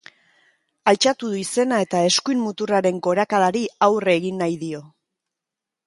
Altxatu du izena eta eskuin muturraren gorakadari aurre egin nahi dio.